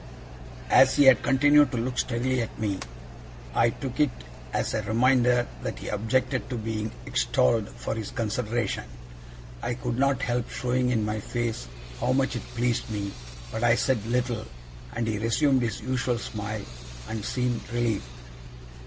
As he had continued to look steadily at me, I took it as a reminder that he objected to being extolled for his consideration. I could not help showing in my face how much it pleased me, but I said little, and he resumed his usual smile, and seemed relieved.